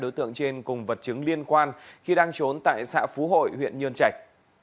hai đối tượng trên cùng vật chứng liên quan khi đang trốn tại xã phú hội huyện nhân trạch